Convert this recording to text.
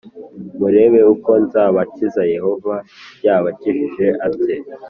murebe uko nzabakiza Yehova yabakijije ate